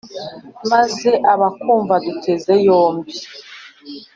maze abakumva duteze yombi